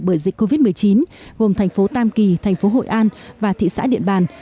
bởi dịch covid một mươi chín gồm thành phố tam kỳ thành phố hội an và thị xã điện bàn